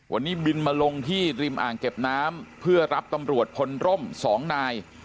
วันนี้บินมาลงที่ริมอ่างเก็บน้ำเพื่อรับตำรวจพลร่ม๒นาย